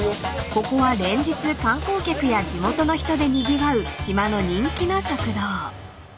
［ここは連日観光客や地元の人でにぎわう島の人気の食堂］